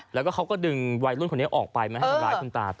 แล้วก็เขาก็ดึงวัยรุ่นคนนี้ออกไปมาให้ทำร้ายคุณตา